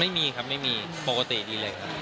ไม่มีครับไม่มีปกติดีเลยครับ